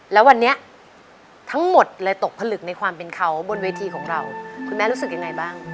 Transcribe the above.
แล้ววันนี้ทั้งหมดเลยตกผลึกในความเป็นเขาบนเวทีของเราคุณแม่รู้สึกยังไงบ้าง